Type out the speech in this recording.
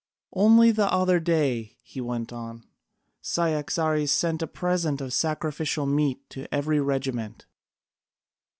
Only the other day," he went on, "Cyaxares sent a present of sacrificial meat to every regiment.